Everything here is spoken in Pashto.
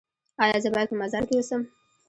ایا زه باید په مزار کې اوسم؟